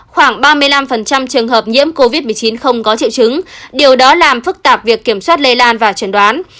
khoảng ba mươi năm trường hợp nhiễm covid một mươi chín không có triệu chứng điều đó làm phức tạp việc kiểm soát lây lan và trần đoán